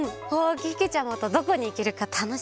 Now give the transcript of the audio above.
けけちゃまとどこにいけるかたのしみだな。